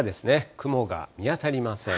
雲が見当たりません。